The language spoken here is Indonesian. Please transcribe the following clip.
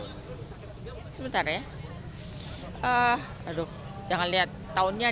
karena saya pernah jadi ketua lingkungan dan dia adalah sebagai pastor pelindung beliau